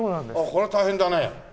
これは大変だね。